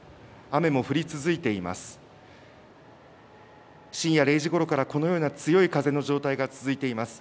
雨も降り続いています。